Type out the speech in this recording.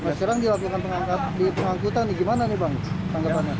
ya sekarang dilakukan pengangkutan nih gimana nih bang tanggapannya